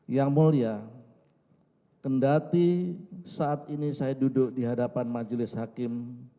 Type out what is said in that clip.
yang mulia kendati saat ini saya duduk di hadapan majelis hakim